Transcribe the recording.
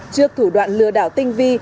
trước thủ đoạn lừa đảo tinh vi